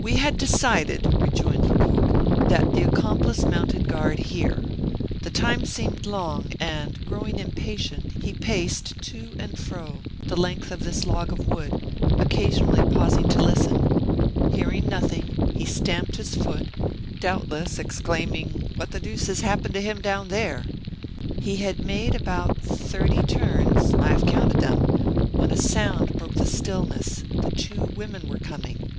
"We had decided," rejoined Lecoq, "that the accomplice mounted guard here. The time seemed long, and, growing impatient, he paced to and fro the length of this log of wood occasionally pausing to listen. Hearing nothing, he stamped his foot, doubtless exclaiming: 'What the deuce has happened to him down there!' He had made about thirty turns (I have counted them), when a sound broke the stillness the two women were coming."